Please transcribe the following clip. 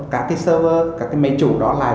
các server các máy chủ đó lại